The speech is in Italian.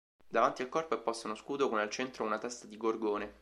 Davanti al corpo è posto uno scudo con al centro una testa di Gorgone.